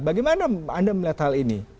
bagaimana anda melihat hal ini